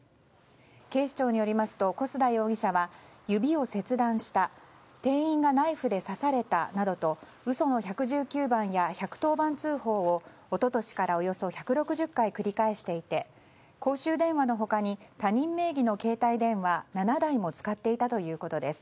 警視庁によりますと小須田容疑者は指を切断した店員がナイフで刺されたなどと嘘の１１９番や１１０番通報を一昨年からおよそ１６０回繰り返していて公衆電話の他に他人名義の携帯電話７台も使っていたということです。